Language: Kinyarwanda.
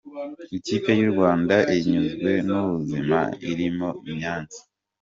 Ikipe y’urwanda inyuzwe n’ubuzima irimo i Nyanza